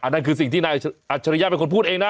นั่นคือสิ่งที่นายอัจฉริยะเป็นคนพูดเองนะ